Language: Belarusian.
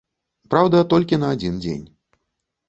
Праўда, толькі на адзін дзень.